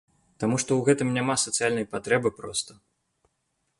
Таму што ў гэтым няма сацыяльнай патрэбы проста.